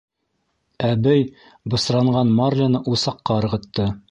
Әбей бысранған марляны усаҡҡа ырғытты.